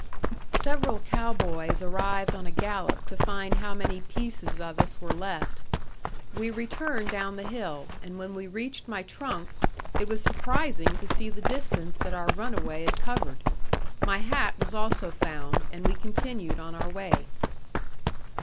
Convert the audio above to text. Several cow boys arrived on a gallop to find how many pieces of us were left. We returned down the hill; and when we reached my trunk, it was surprising to see the distance that our runaway had covered. My hat was also found, and we continued on our way.